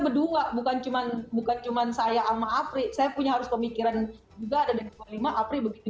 berdua bukan cuman bukan cuman saya sama apri saya punya harus pemikiran juga ada di dua puluh lima apri begitu